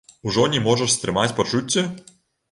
Ужо не можаш стрымаць пачуцці?